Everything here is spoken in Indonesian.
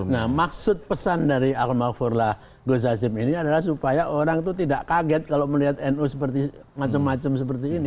nah maksud pesan dari al mahfulah gus hazim ini adalah supaya orang itu tidak kaget kalau melihat nu macam macam seperti ini